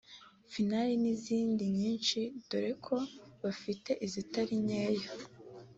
Final n’izindi nyinshi dore ko bafite izitari nkeya